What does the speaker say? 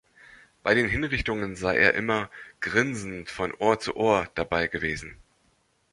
Bei den Hinrichtungen sei er immer „grinsend von Ohr zu Ohr“ dabei gewesen.